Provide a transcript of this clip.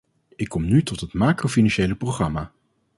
Ik kom nu tot het macrofinanciële programma.